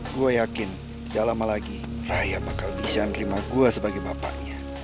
gue yakin tidak lama lagi raya bakal bisa menerima gue sebagai bapaknya